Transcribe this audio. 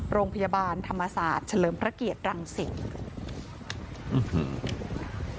โรงพยาบาลธรรมศาสตร์เฉลิมพระเกียรติรังสิต